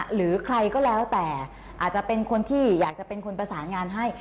หรือใครก็แล้วแต่อาจจะเป็นคนที่อยากจะเป็นคนประสานงานให้